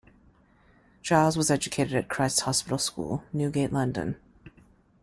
Giles was educated at Christ's Hospital school, Newgate, London.